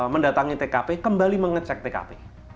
mendatangi tkp kembali mengecek tkp